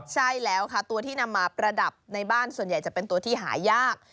ใช่แล้วค่ะตัวที่นำมาประดับในบ้านส่วนใหญ่จะเป็นตัวที่หายาก